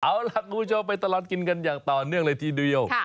เอาล่ะคุณผู้ชมไปตลอดกินกันอย่างต่อเนื่องเลยทีเดียว